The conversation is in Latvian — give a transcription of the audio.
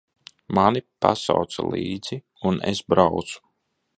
Mani pasauca līdzi, un es braucu.